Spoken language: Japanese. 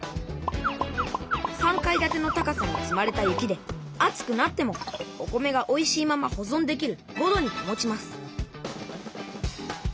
３階建ての高さに積まれた雪で暑くなってもお米がおいしいままほぞんできる５度にたもちます